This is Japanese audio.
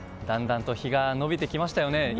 だんだんと日が伸びてきましたよね。